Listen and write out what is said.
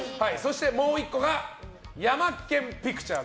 もう１個がヤマケン・ピクチャー。